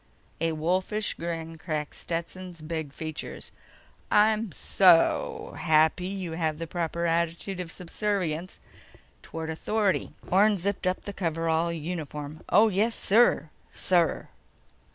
A wolfish grin cracked Stetson's big features. "I'm soooooo happy you have the proper attitude of subservience toward authority." Orne zipped up the coverall uniform. "Oh, yes, sir ... sir."